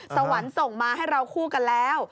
สวรรค์ส่งมาให้เราคู่กันแล้ว